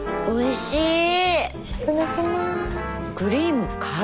おいしい。